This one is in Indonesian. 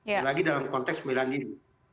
apalagi dalam konteks pembelaan ini